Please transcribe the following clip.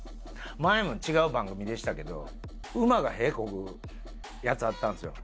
前も違う番組でしたけど、馬がへこくやつあったんですよ。